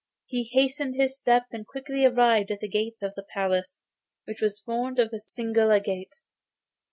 He hastened his steps, and quickly arrived at the gate of the palace, which was formed of a single agate.